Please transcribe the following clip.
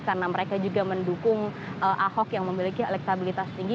karena mereka juga mendukung ahok yang memiliki elektabilitas tinggi